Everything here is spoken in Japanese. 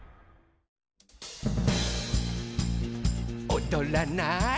「おどらない？」